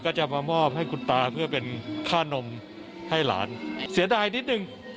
ก็จะมามอบให้คุณตาเพื่อเป็นค่านมให้หลานเสียดายนิดนึง